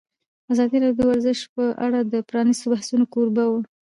ازادي راډیو د ورزش په اړه د پرانیستو بحثونو کوربه وه.